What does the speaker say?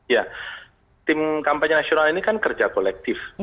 ya tim kampanye nasional ini kan kerja kolektif